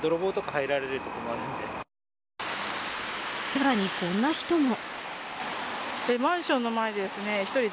さらにこんな人も。